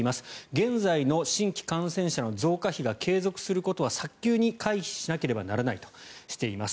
現在の新規感染者の増加比が継続することは早急に回避しなければならないとしています。